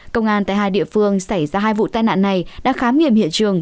công an tại hai địa phương xảy ra hai vụ tai nạn này đã khám nghiệm hiện trường